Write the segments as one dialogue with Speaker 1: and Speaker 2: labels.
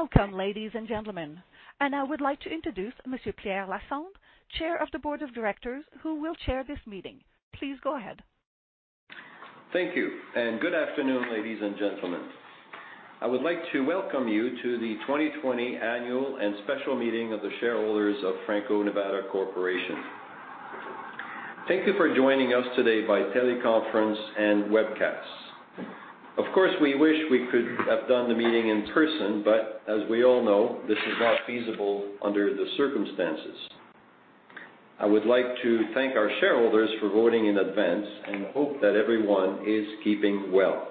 Speaker 1: Welcome, ladies and gentlemen. I would like to introduce Monsieur Pierre Lassonde, Chair of the Board of Directors, who will chair this meeting. Please go ahead.
Speaker 2: Thank you, and good afternoon, ladies and gentlemen. I would like to welcome you to the 2020 Annual and Special Meeting of the Shareholders of Franco-Nevada Corporation. Thank you for joining us today by teleconference and webcast. Of course, we wish we could have done the meeting in person, but as we all know, this is not feasible under the circumstances. I would like to thank our shareholders for voting in advance and hope that everyone is keeping well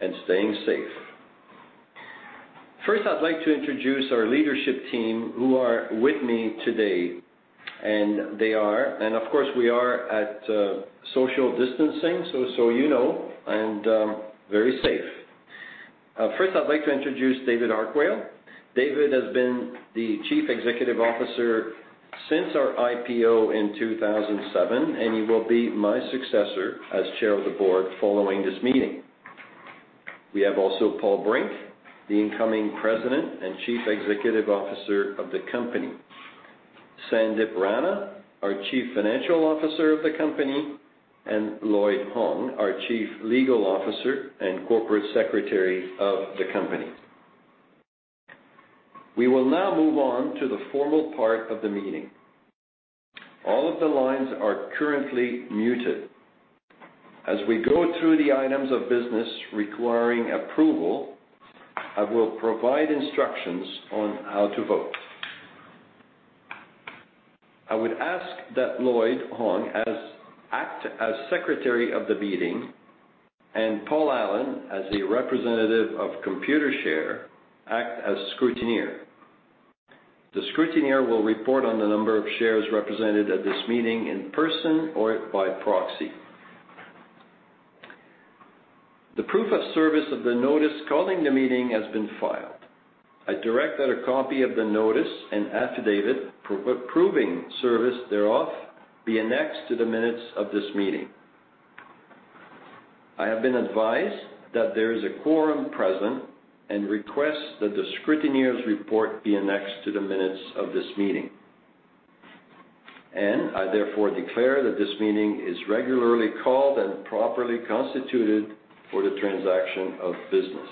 Speaker 2: and staying safe. First, I'd like to introduce our leadership team who are with me today. Of course, we are at social distancing, just so you know, and very safe. First, I'd like to introduce David Harquail. David has been the Chief Executive Officer since our IPO in 2007, and he will be my successor as Chair of the Board following this meeting. We have also Paul Brink, the incoming President and Chief Executive Officer of the company, Sandip Rana, our Chief Financial Officer of the company, and Lloyd Hong, our Chief Legal Officer and Corporate Secretary of the company. We will now move on to the formal part of the meeting. All of the lines are currently muted. As we go through the items of business requiring approval, I will provide instructions on how to vote. I would ask that Lloyd Hong act as Secretary of the meeting and Paul Allen, as a representative of Computershare, act as Scrutineer. The Scrutineer will report on the number of shares represented at this meeting in person or by proxy. The proof of service of the notice calling the meeting has been filed. I direct that a copy of the notice and affidavit proving service thereof be annexed to the minutes of this meeting. I have been advised that there is a quorum present and request that the scrutineer's report be annexed to the minutes of this meeting. I therefore declare that this meeting is regularly called and properly constituted for the transaction of business.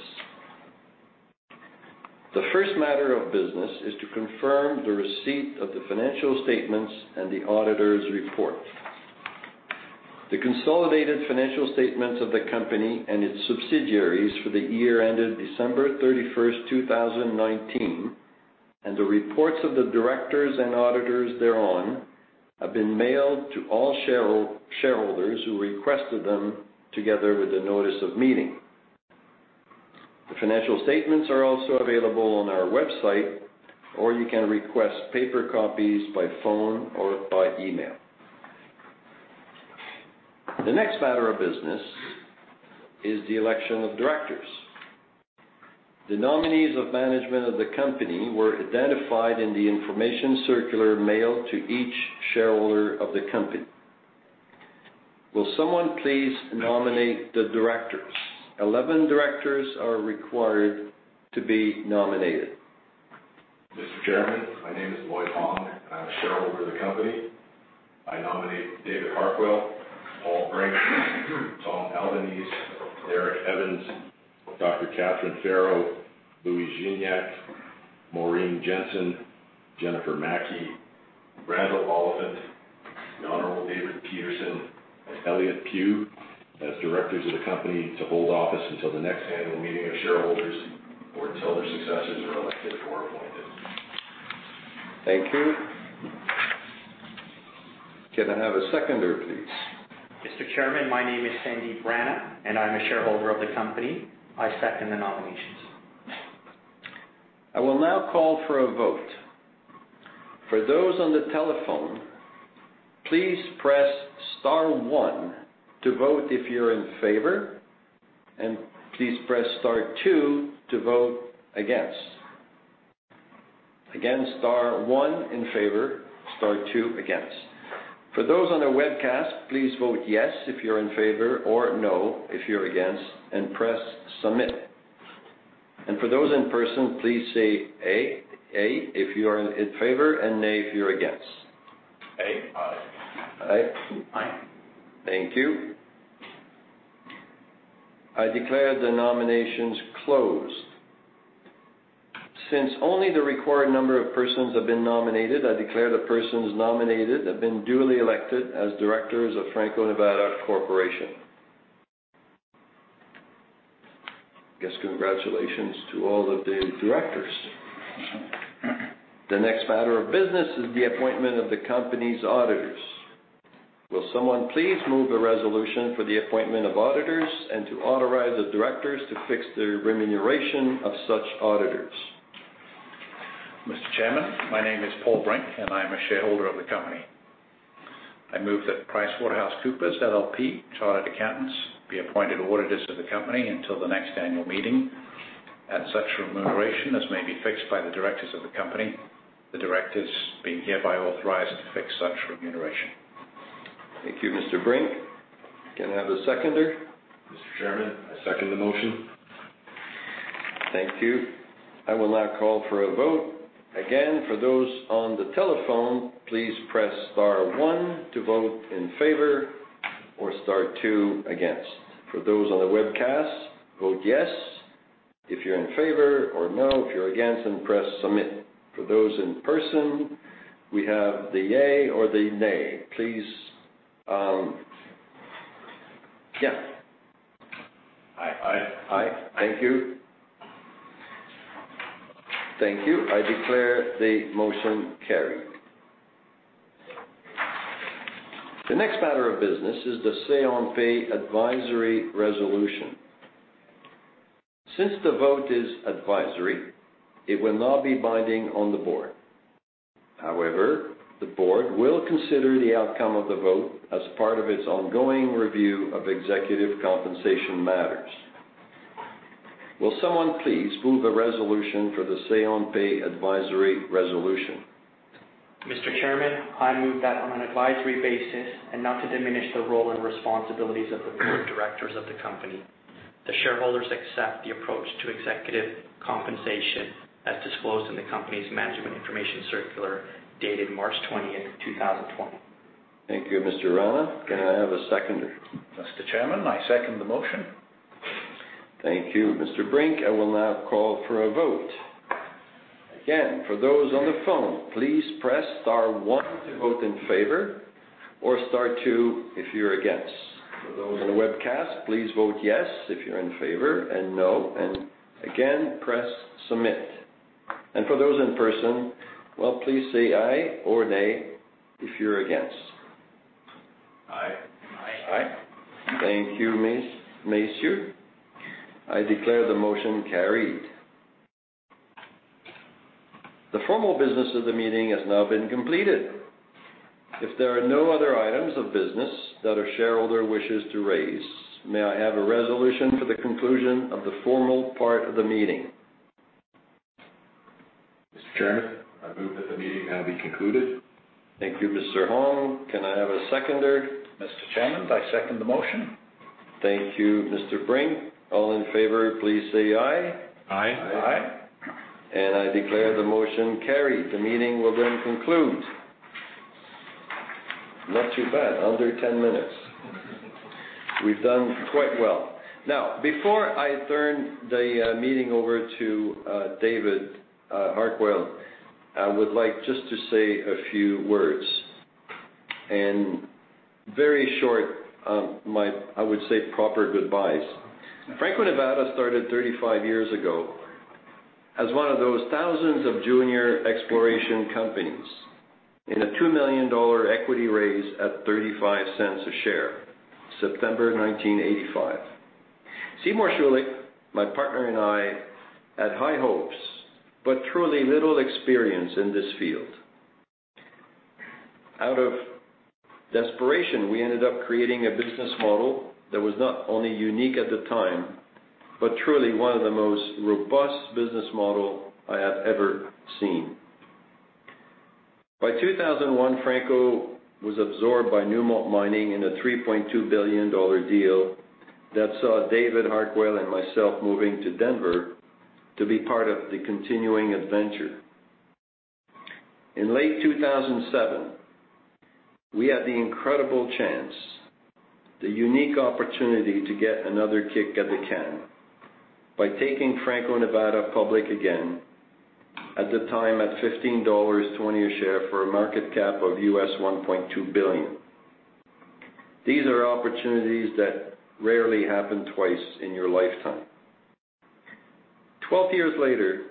Speaker 2: The first matter of business is to confirm the receipt of the financial statements and the auditor's report. The consolidated financial statements of the company and its subsidiaries for the year ended December 31st, 2019, and the reports of the directors and auditors thereon, have been mailed to all shareholders who requested them together with the notice of meeting. The financial statements are also available on our website, or you can request paper copies by phone or by email. The next matter of business is the election of directors. The nominees of management of the company were identified in the information circular mailed to each shareholder of the company. Will someone please nominate the directors? 11 directors are required to be nominated.
Speaker 3: Mr. Chairman, my name is Lloyd Hong, and I'm a shareholder of the company. I nominate David Harquail, Paul Brink, Tom Albanese, Derek Evans, Dr. Catharine Farrow, Louis Gignac, Maureen Jensen, Jennifer Maki, Randall Oliphant, the Honorable David Peterson, and Elliott Pew as directors of the company to hold office until the next annual meeting of shareholders or until their successors are elected or appointed.
Speaker 2: Thank you. Can I have a seconder, please?
Speaker 4: Mr. Chairman, my name is Sandip Rana, and I'm a shareholder of the company. I second the nominations.
Speaker 2: I will now call for a vote. For those on the telephone, please press star one to vote if you're in favor, and please press star two to vote against. Again, star one in favor, star two against. For those on the webcast, please vote yes if you're in favor or no if you're against, and press submit. For those in person, please say aye if you're in favor and nay if you're against.
Speaker 3: Aye.
Speaker 4: Aye.
Speaker 5: Aye.
Speaker 6: Aye.
Speaker 2: Thank you. I declare the nominations closed. Since only the required number of persons have been nominated, I declare the persons nominated have been duly elected as directors of Franco-Nevada Corporation. Guess congratulations to all of the directors. The next matter of business is the appointment of the company's auditors. Will someone please move a resolution for the appointment of auditors and to authorize the directors to fix the remuneration of such auditors?
Speaker 6: Mr. Chairman, my name is Paul Brink, and I am a shareholder of the company. I move that PricewaterhouseCoopers, LLP, Chartered Accountants, be appointed auditors of the company until the next annual meeting at such remuneration as may be fixed by the directors of the company, the directors being hereby authorized to fix such remuneration.
Speaker 2: Thank you, Mr. Brink. Can I have a seconder?
Speaker 3: Mr. Chairman, I second the motion.
Speaker 2: Thank you. I will now call for a vote. Again, for those on the telephone, please press star one to vote in favor or star two against. For those on the webcast, vote yes if you're in favor or no if you're against, and press submit. For those in person, we have the yay or the nay. Please. Yeah.
Speaker 3: Aye.
Speaker 6: Aye.
Speaker 4: Aye.
Speaker 2: Thank you. Thank you. I declare the motion carried. The next matter of business is the say on pay advisory resolution. Since the vote is advisory, it will not be binding on the board. However, the board will consider the outcome of the vote as part of its ongoing review of executive compensation matters. Will someone please move a resolution for the say on pay advisory resolution?
Speaker 4: Mr. Chairman, I move that on an advisory basis and not to diminish the role and responsibilities of the board of directors of the company, the shareholders accept the approach to executive compensation as disclosed in the company's management information circular dated March 20th, 2020.
Speaker 2: Thank you, Mr. Rana. Can I have a seconder?
Speaker 6: Mr. Chairman, I second the motion.
Speaker 2: Thank you, Mr. Brink. I will now call for a vote. For those on the phone, please press star one to vote in favor or star two if you're against. For those on the webcast, please vote yes if you're in favor and no and again, press submit. For those in person, well, please say aye or nay if you're against.
Speaker 3: Aye.
Speaker 6: Aye.
Speaker 4: Aye.
Speaker 2: Thank you, messieurs. I declare the motion carried. The formal business of the meeting has now been completed. If there are no other items of business that a shareholder wishes to raise, may I have a resolution for the conclusion of the formal part of the meeting?
Speaker 3: Mr. Chairman, I move that the meeting now be concluded.
Speaker 2: Thank you, Mr. Hong. Can I have a seconder?
Speaker 6: Mr. Chairman, I second the motion.
Speaker 2: Thank you, Mr. Brink. All in favor, please say aye.
Speaker 3: Aye.
Speaker 6: Aye.
Speaker 4: Aye.
Speaker 2: I declare the motion carried. The meeting will then conclude. Not too bad, under 10 minutes. We've done quite well. Before I turn the meeting over to David Harquail, I would like just to say a few words and very short, I would say, proper goodbyes. Franco-Nevada started 35 years ago as one of those thousands of junior exploration companies in a 2 million dollar equity raise at 0.35 a share, September 1985. Seymour Schulich, my partner, and I had high hopes but truly little experience in this field. Out of desperation, we ended up creating a business model that was not only unique at the time but truly one of the most robust business model I have ever seen. By 2001, Franco-Nevada was absorbed by Newmont Mining in a 3.2 billion dollar deal that saw David Harquail and myself moving to Denver to be part of the continuing adventure. In late 2007, we had the incredible chance, the unique opportunity to get another kick at the can by taking Franco-Nevada public again at the time at 15.20 dollars a share for a market cap of U.S. $1.2 billion. These are opportunities that rarely happen twice in your lifetime. 12 years later,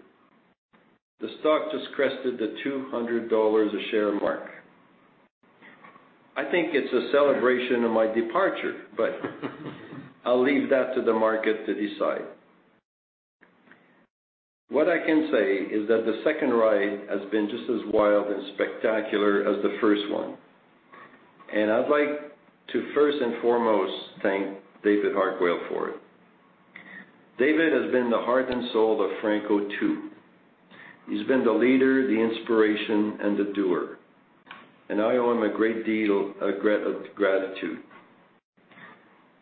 Speaker 2: the stock just crested the 200 dollars a share mark. I think it's a celebration of my departure, but I'll leave that to the market to decide. What I can say is that the second ride has been just as wild and spectacular as the first one and I'd like to first and foremost thank David Harquail for it. David has been the heart and soul of Franco-Nevada too. He's been the leader, the inspiration, and the doer and I owe him a great deal of gratitude.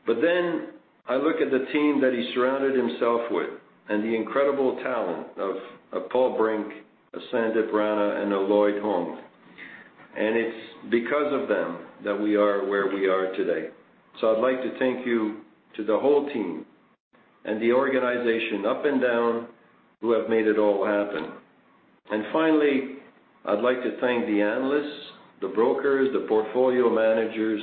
Speaker 2: I look at the team that he surrounded himself with and the incredible talent of Paul Brink, Sandip Rana, and Lloyd Hong and it's because of them that we are where we are today. I'd like to thank you to the whole team and the organization up and down who have made it all happen. Finally, I'd like to thank the analysts, the brokers, the portfolio managers,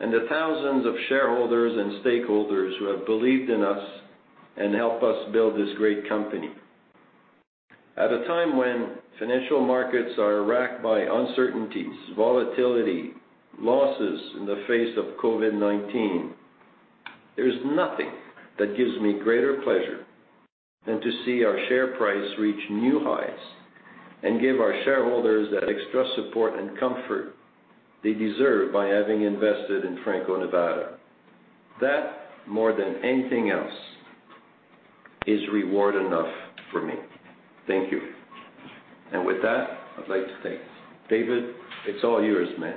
Speaker 2: and the thousands of shareholders and stakeholders who have believed in us and helped us build this great company. At a time when financial markets are wracked by uncertainties, volatility, losses in the face of COVID-19, there's nothing that gives me greater pleasure than to see our share price reach new highs and give our shareholders that extra support and comfort they deserve by having invested in Franco-Nevada. That, more than anything else. Is reward enough for me. Thank you. With that. David, it's all yours, man.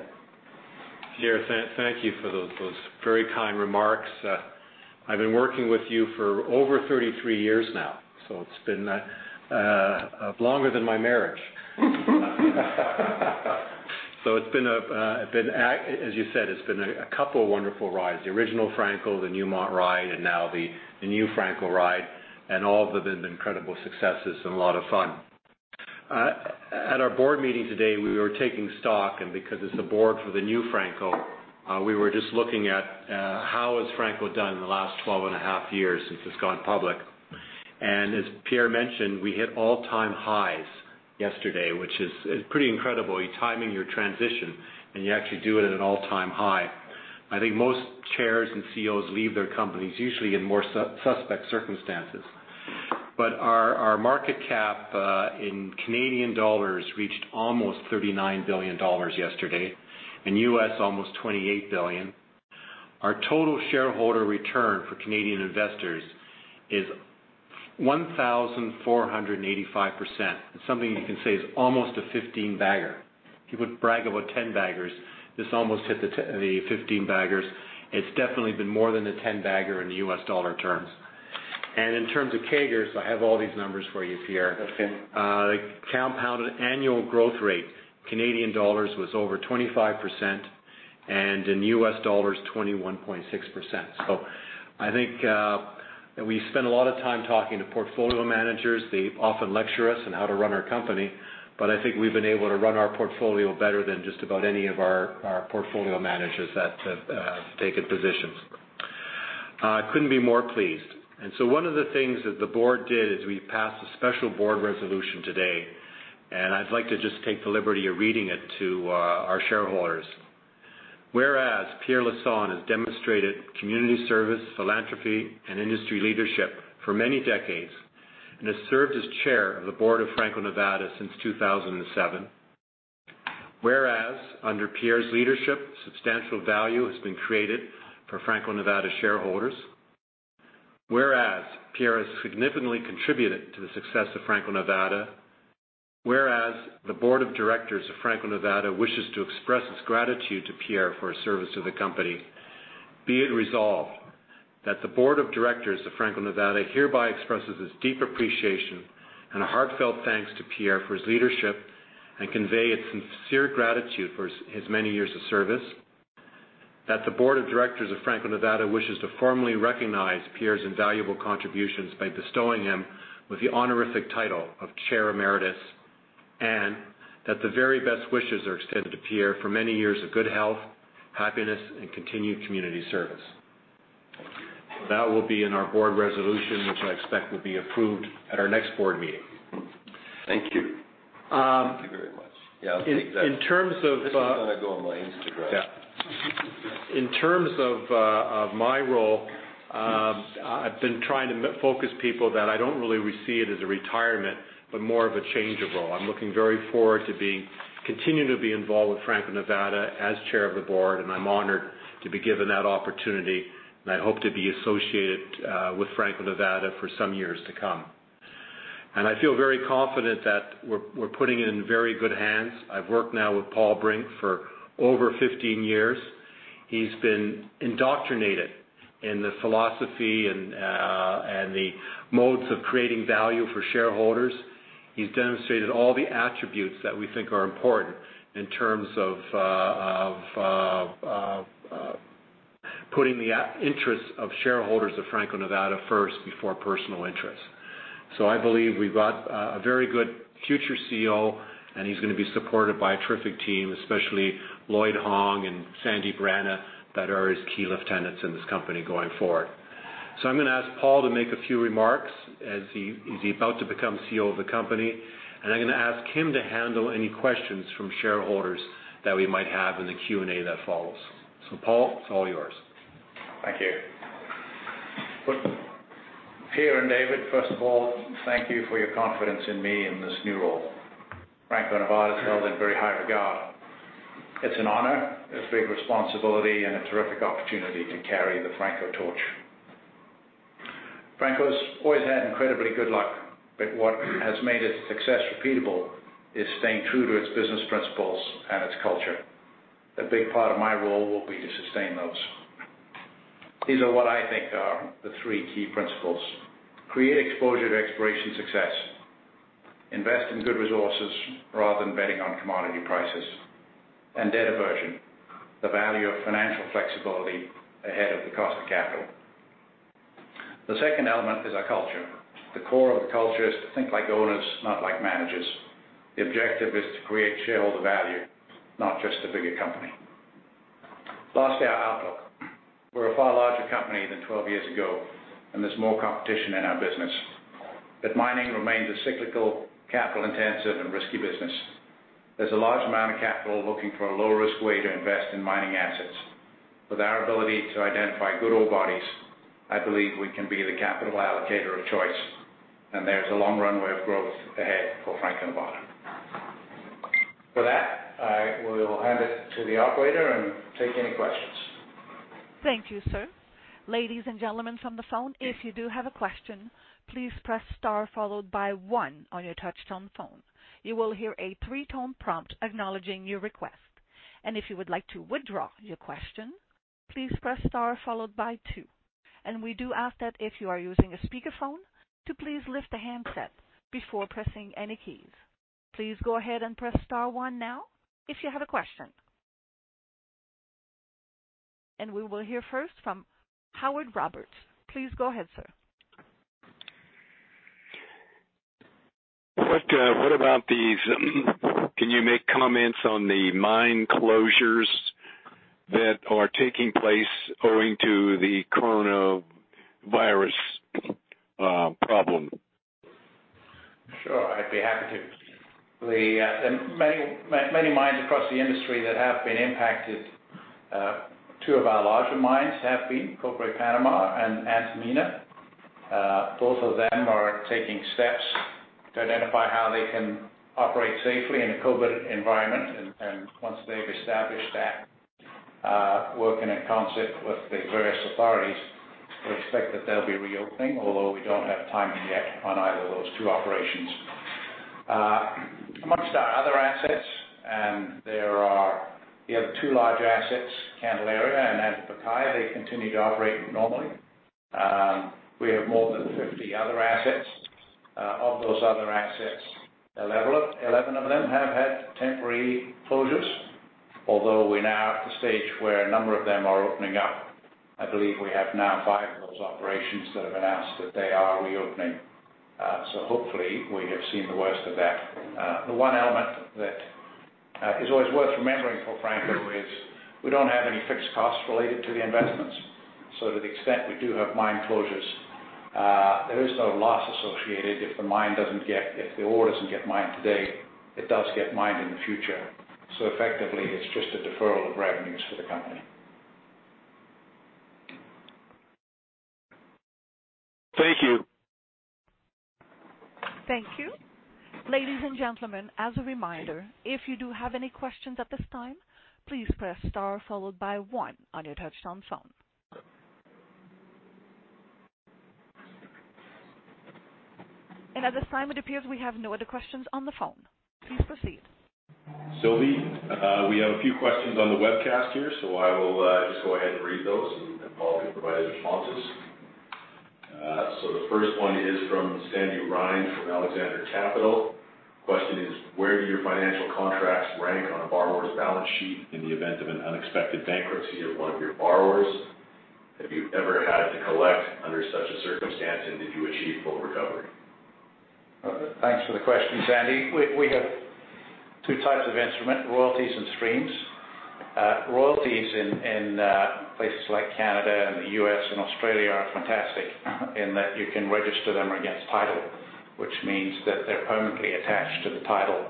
Speaker 5: Pierre, thank you for those very kind remarks. I've been working with you for over 33 years now, so it's been longer than my marriage. It's been, as you said, a couple of wonderful rides. The original Franco, the Newmont ride, and now the new Franco ride, and all of them have been incredible successes and a lot of fun. At our board meeting today, we were taking stock, and because it's the board for the new Franco, we were just looking at how has Franco done in the last 12.5 years since it's gone public. As Pierre mentioned, we hit all-time highs yesterday, which is pretty incredible. You're timing your transition, and you actually do it at an all-time high. I think most chairs and CEOs leave their companies usually in more suspect circumstances. Our market cap, in Canadian dollars, reached almost 39 billion dollars yesterday. In U.S., almost $28 billion. Our total shareholder return for Canadian investors is 1,485%, something you can say is almost a 15 bagger. People brag about 10 baggers. This almost hit the 15 baggers. It's definitely been more than a 10 bagger in the U.S. dollar terms. In terms of CAGRs, I have all these numbers for you, Pierre.
Speaker 2: That's okay.
Speaker 5: The compounded annual growth rate, CAD, was over 25%, and in USD, 21.6%. I think we spend a lot of time talking to portfolio managers. They often lecture us on how to run our company, but I think we've been able to run our portfolio better than just about any of our portfolio managers that have taken positions. I couldn't be more pleased. One of the things that the board did is we passed a special board resolution today, and I'd like to just take the liberty of reading it to our shareholders. Pierre Lassonde has demonstrated community service, philanthropy, and industry leadership for many decades and has served as chair of the board of Franco-Nevada since 2007. Under Pierre's leadership, substantial value has been created for Franco-Nevada shareholders. Pierre has significantly contributed to the success of Franco-Nevada. Whereas the board of directors of Franco-Nevada wishes to express its gratitude to Pierre for his service to the company. Be it resolved that the board of directors of Franco-Nevada hereby expresses its deep appreciation and a heartfelt thanks to Pierre for his leadership and convey its sincere gratitude for his many years of service. That the board of directors of Franco-Nevada wishes to formally recognize Pierre's invaluable contributions by bestowing him with the honorific title of chair emeritus, and that the very best wishes are extended to Pierre for many years of good health, happiness, and continued community service. That will be in our board resolution, which I expect will be approved at our next board meeting. Thank you.
Speaker 2: Thank you very much. Yeah, I'll take that.
Speaker 5: In terms of-
Speaker 2: This is going to go on my Instagram.
Speaker 5: Yeah. In terms of my role, I've been trying to focus people that I don't really see it as a retirement, but more of a change of role. I'm looking very forward to continuing to be involved with Franco-Nevada as Chair of the Board. I'm honored to be given that opportunity. I hope to be associated with Franco-Nevada for some years to come. I feel very confident that we're putting it in very good hands. I've worked now with Paul Brink for over 15 years. He's been indoctrinated in the philosophy and the modes of creating value for shareholders. He's demonstrated all the attributes that we think are important in terms of putting the interests of shareholders of Franco-Nevada first before personal interests. I believe we've got a very good future CEO, and he's going to be supported by a terrific team, especially Lloyd Hong and Sandip Rana, that are his key lieutenants in this company going forward. I'm going to ask Paul to make a few remarks, as he's about to become CEO of the company, and I'm going to ask him to handle any questions from shareholders that we might have in the Q&A that follows. Paul, it's all yours.
Speaker 6: Thank you. Pierre and David, first of all, thank you for your confidence in me in this new role. Franco-Nevada is held in very high regard. It's an honor, a big responsibility, and a terrific opportunity to carry the Franco torch. Franco's always had incredibly good luck, but what has made its success repeatable is staying true to its business principles and its culture. A big part of my role will be to sustain those. These are what I think are the three key principles. Create exposure to exploration success, invest in good resources rather than betting on commodity prices, and debt aversion, the value of financial flexibility ahead of the cost of capital. The second element is our culture. The core of the culture is to think like owners, not like managers. The objective is to create shareholder value, not just a bigger company. Lastly, our outlook. We're a far larger company than 12 years ago, and there's more competition in our business, but mining remains a cyclical, capital-intensive, and risky business. There's a large amount of capital looking for a low-risk way to invest in mining assets. With our ability to identify good ore bodies, I believe we can be the capital allocator of choice, and there's a long runway of growth ahead for Franco-Nevada. With that, I will hand it to the operator and take any questions.
Speaker 1: Thank you, sir. Ladies and gentlemen from the phone, if you do have a question, please press star followed by one on your touch-tone phone. You will hear a three-tone prompt acknowledging your request. If you would like to withdraw your question, please press star followed by two. We do ask that if you are using a speakerphone, to please lift the handset before pressing any keys. Please go ahead and press star one now if you have a question. We will hear first from Howard Roberts. Please go ahead, sir.
Speaker 7: What about these can you make comments on the mine closures that are taking place owing to the Coronavirus problem?
Speaker 6: Sure, I'd be happy to. Many mines across the industry that have been impacted, two of our larger mines have been Cobre Panama and Antamina. Both of them are taking steps to identify how they can operate safely in a COVID environment. Once they've established that, working in concert with the various authorities, we expect that they'll be reopening, although we don't have timing yet on either of those two operations. Amongst our other assets, and there are the other two large assets, Candelaria and El Peñon, they continue to operate normally. We have more than 50 other assets. Of those other assets, 11 of them have had temporary closures, although we're now at the stage where a number of them are opening up. I believe we have now five of those operations that have announced that they are reopening. Hopefully we have seen the worst of that. The one element that is always worth remembering for Franco is we don't have any fixed costs related to the investments. To the extent we do have mine closures, there is no loss associated. If the ore doesn't get mined today, it does get mined in the future. Effectively, it's just a deferral of revenues for the company.
Speaker 7: Thank you.
Speaker 1: Thank you. Ladies and gentlemen, as a reminder, if you do have any questions at this time, please press star followed by one on your touch-tone phone. At this time, it appears we have no other questions on the phone. Please proceed.
Speaker 3: Sylvie, we have a few questions on the webcast here, so I will just go ahead and read those, and Paul can provide his responses. The first one is from Sandy Rhind from Alexander Capital. Question is, where do your financial contracts rank on a borrower's balance sheet in the event of an unexpected bankruptcy of one of your borrowers? Have you ever had to collect under such a circumstance, and did you achieve full recovery?
Speaker 6: Thanks for the question, Sandy. We have two types of instrument, royalties and streams. Royalties in places like Canada and the U.S. and Australia are fantastic in that you can register them against title, which means that they're permanently attached to the title.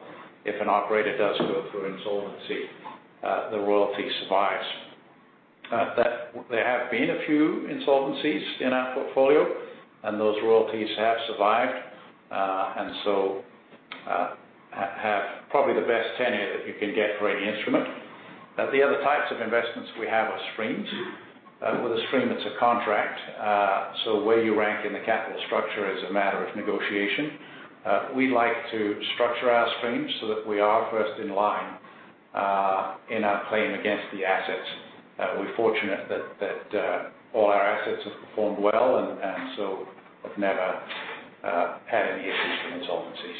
Speaker 6: If an operator does go through insolvency, the royalty survives. There have been a few insolvencies in our portfolio, and those royalties have survived, and so have probably the best tenure that you can get for any instrument. The other types of investments we have are streams. With a stream, it's a contract, so where you rank in the capital structure is a matter of negotiation. We like to structure our streams so that we are first in line in our claim against the assets. We're fortunate that all our assets have performed well and so have never had any issues with insolvencies.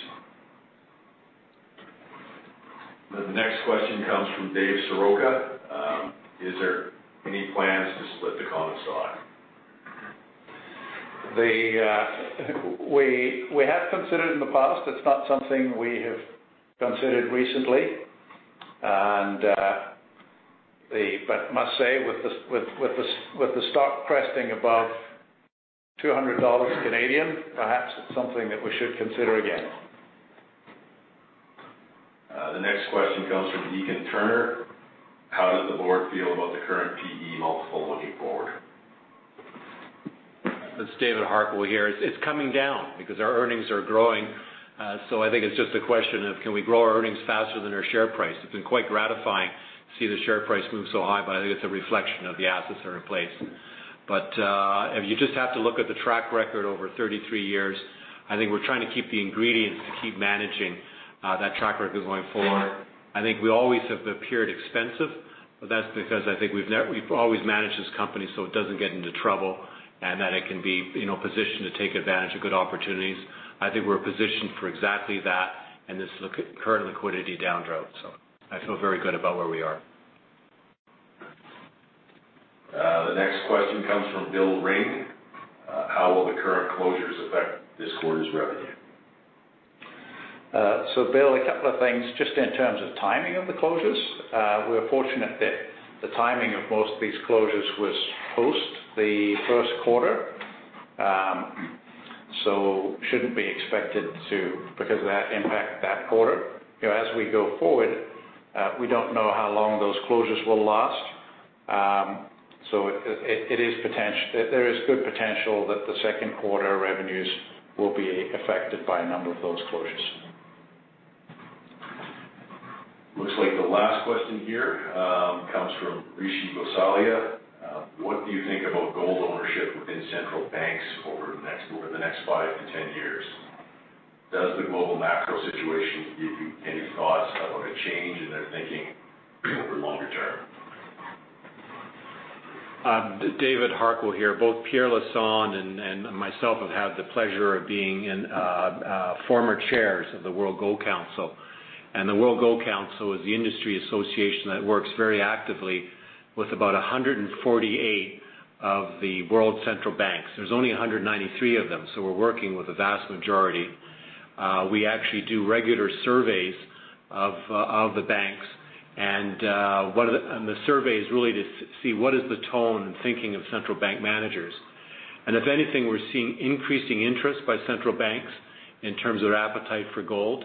Speaker 3: The next question comes from Dave Soroka. Is there any plans to split the common stock?
Speaker 6: We have considered in the past, it's not something we have considered recently. Must say, with the stock cresting above 200 Canadian dollars, perhaps it's something that we should consider again.
Speaker 3: The next question comes from Deacon Turner. How does the board feel about the current PE multiple looking forward?
Speaker 5: It's David Harquail here. It's coming down because our earnings are growing, so I think it's just a question of can we grow our earnings faster than our share price? It's been quite gratifying to see the share price move so high, but I think it's a reflection of the assets that are in place. You just have to look at the track record over 33 years. I think we're trying to keep the ingredients to keep managing that track record going forward. I think we always have appeared expensive, but that's because I think we've always managed this company so it doesn't get into trouble and that it can be positioned to take advantage of good opportunities. I think we're positioned for exactly that in this current liquidity downdraft. I feel very good about where we are.
Speaker 3: The next question comes from Bill Ring. How will the current closures affect this quarter's revenue?
Speaker 6: Bill, a couple of things just in terms of timing of the closures. We're fortunate that the timing of most of these closures was post the first quarter, so shouldn't be expected to because of that impact that quarter. As we go forward, we don't know how long those closures will last. There is good potential that the second quarter revenues will be affected by a number of those closures.
Speaker 3: Looks like the last question here comes from Rishi Gosalia. What do you think about gold ownership within central banks over the next five to 10 years? Does the global macro situation give you any thoughts about a change in their thinking over longer term?
Speaker 5: David Harquail here. Both Pierre Lassonde and myself have had the pleasure of being former chairs of the World Gold Council. The World Gold Council is the industry association that works very actively with about 148 of the world's central banks. There's only 193 of them, so we're working with a vast majority. We actually do regular surveys of the banks, and the survey is really to see what is the tone and thinking of central bank managers. If anything, we're seeing increasing interest by central banks in terms of their appetite for gold.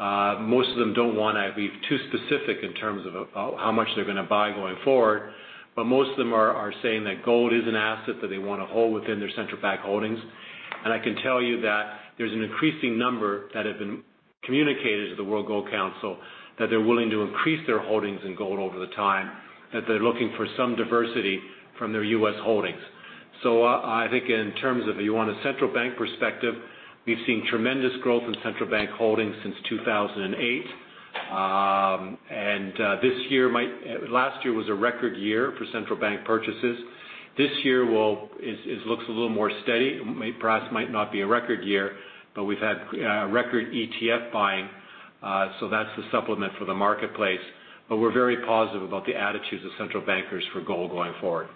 Speaker 5: Most of them don't want to be too specific in terms of how much they're going to buy going forward. Most of them are saying that gold is an asset that they want to hold within their central bank holdings. I can tell you that there's an increasing number that have been communicators of the World Gold Council, that they're willing to increase their holdings in gold over the time, that they're looking for some diversity from their U.S. holdings. I think in terms of, if you want a central bank perspective, we've seen tremendous growth in central bank holdings since 2008. Last year was a record year for central bank purchases. This year looks a little more steady. Perhaps might not be a record year, but we've had record ETF buying. That's the supplement for the marketplace. We're very positive about the attitudes of central bankers for gold going forward.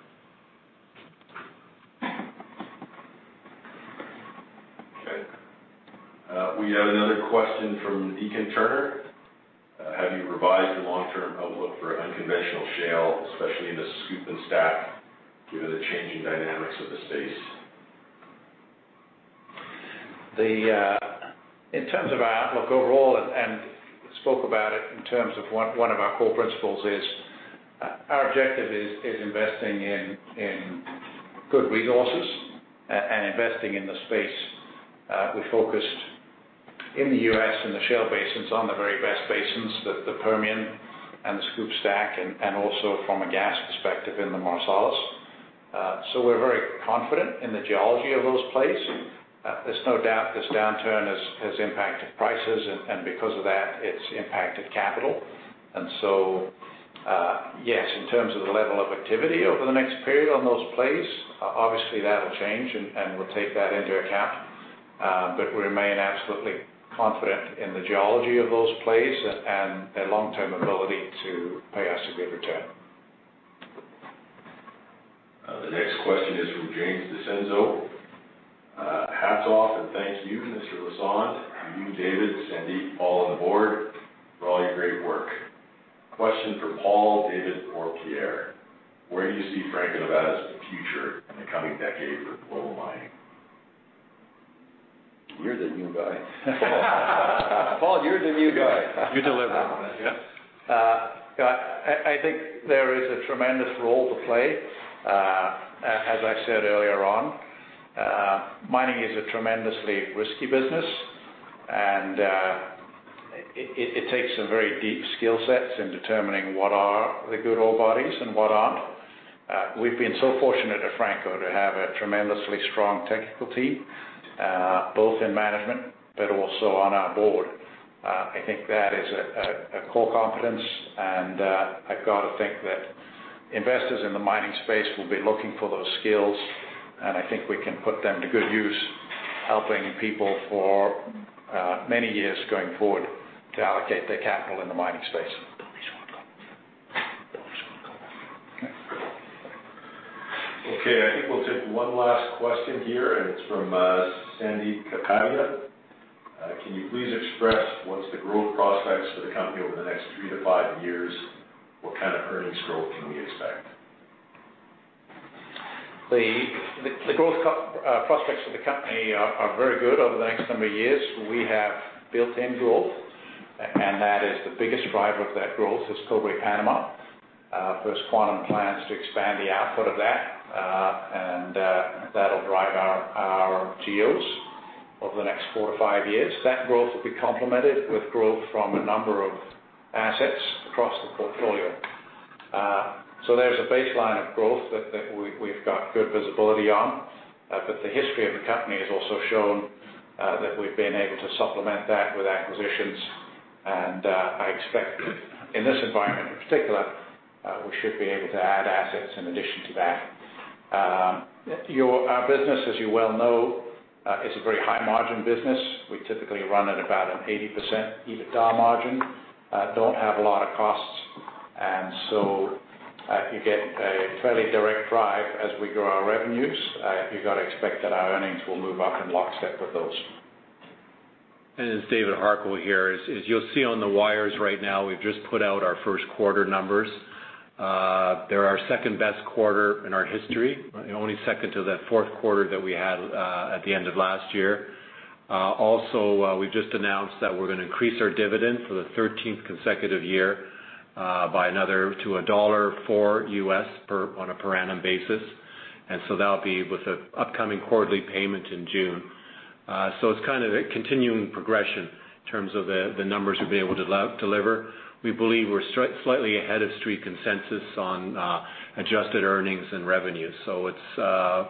Speaker 3: Okay. We have another question from Deacon Turner. Have you revised the long-term outlook for unconventional shale, especially in the SCOOP and STACK, given the changing dynamics of the space?
Speaker 6: In terms of our outlook overall, and spoke about it in terms of one of our core principles is, our objective is investing in good resources and investing in the space. We focused in the U.S. and the shale basins on the very best basins, the Permian and the SCOOP, STACK, and also from a gas perspective in the Marcellus. We're very confident in the geology of those plays. There's no doubt this downturn has impacted prices, and because of that, it's impacted capital. Yes, in terms of the level of activity over the next period on those plays, obviously, that'll change, and we'll take that into account. We remain absolutely confident in the geology of those plays and their long-term ability to pay us a good return.
Speaker 3: The next question is from James DeCenzo. Hats off and thank you, Mr. Lassonde, and you, David, Sandip, Paul, and the board, for all your great work. Question for Paul, David, or Pierre. Where do you see Franco-Nevada's future in the coming decade with gold mining?
Speaker 5: You're the new guy. Paul, you're the new guy. You deliver.
Speaker 6: I think there is a tremendous role to play. As I said earlier on, mining is a tremendously risky business, and it takes some very deep skill sets in determining what are the good ore bodies and what aren't. We've been so fortunate at Franco to have a tremendously strong technical team, both in management but also on our board. I think that is a core competence, and I've got to think that investors in the mining space will be looking for those skills, and I think we can put them to good use, helping people for many years going forward to allocate their capital in the mining space.
Speaker 3: Okay, I think we'll take one last question here, and it's from Sandy Capalia. Can you please express what's the growth prospects for the company over the next three to five years? What kind of earnings growth can we expect?
Speaker 6: The growth prospects for the company are very good over the next number of years. We have built-in growth. That is the biggest driver of that growth is Cobre Panama. First Quantum plans to expand the output of that. That'll drive our geos over the next four to five years. That growth will be complemented with growth from a number of assets across the portfolio. There's a baseline of growth that we've got good visibility on. The history of the company has also shown that we've been able to supplement that with acquisitions, and I expect in this environment in particular, we should be able to add assets in addition to that. Our business, as you well know, is a very high margin business. We typically run at about an 80% EBITDA margin, don't have a lot of costs, and so you get a fairly direct drive as we grow our revenues. You got to expect that our earnings will move up in lockstep with those.
Speaker 5: This is David Harquail here. As you'll see on the wires right now, we've just put out our first quarter numbers. They're our second-best quarter in our history, only second to that fourth quarter that we had at the end of last year. Also, we've just announced that we're going to increase our dividend for the 13th consecutive year, to $1.04 US on a per annum basis. That'll be with the upcoming quarterly payment in June. It's kind of a continuing progression in terms of the numbers we'll be able to deliver. We believe we're slightly ahead of Street consensus on adjusted earnings and revenues. The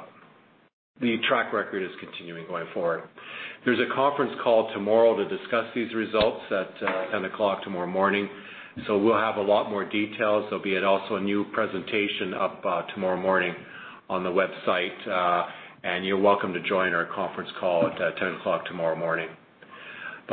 Speaker 5: track record is continuing going forward. There's a conference call tomorrow to discuss these results at 10:00 A.M. tomorrow morning. We'll have a lot more details. There'll be also a new presentation up tomorrow morning on the website, and you're welcome to join our conference call at 10:00 A.M. tomorrow morning.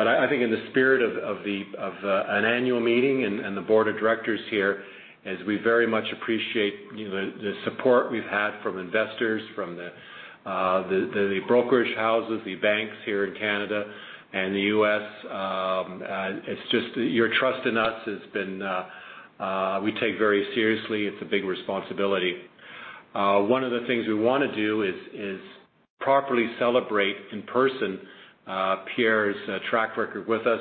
Speaker 5: I think in the spirit of an annual meeting and the board of directors here, is we very much appreciate the support we've had from investors, from the brokerage houses, the banks here in Canada and the U.S. Your trust in us, we take very seriously. It's a big responsibility. One of the things we want to do is properly celebrate in person Pierre's track record with us.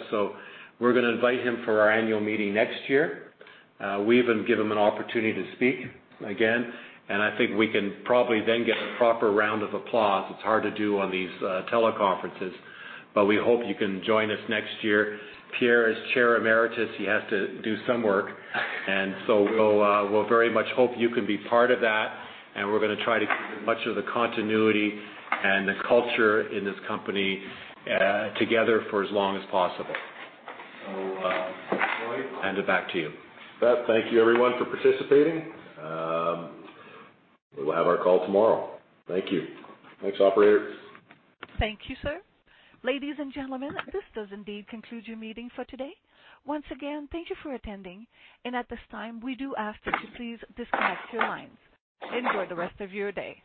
Speaker 5: We're going to invite him for our annual meeting next year. We even give him an opportunity to speak again, and I think we can probably then get a proper round of applause. It's hard to do on these teleconferences, we hope you can join us next year. Pierre is chair emeritus. He has to do some work. We'll very much hope you can be part of that, and we're going to try to keep as much of the continuity and the culture in this company together for as long as possible. Lloyd, I'll hand it back to you.
Speaker 3: You bet. Thank you everyone for participating. We will have our call tomorrow. Thank you. Thanks, operator.
Speaker 1: Thank you, sir. Ladies and gentlemen, this does indeed conclude your meeting for today. Once again, thank you for attending, and at this time, we do ask that you please disconnect your lines. Enjoy the rest of your day.